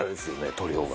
塗料が。